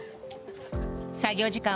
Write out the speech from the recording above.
作業時間